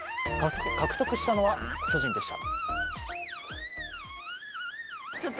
獲得したのは巨人でした。